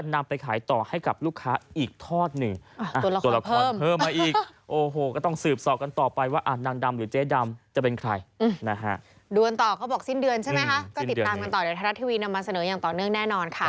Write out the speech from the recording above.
ในทาราซทิวีนำมาเสนออย่างต่อเนื่องแน่นอนค่ะ